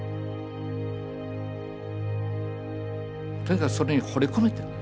とにかくそれに惚れ込めと。